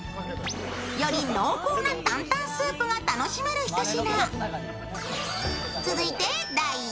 より濃厚な担担スープが楽しめる一品。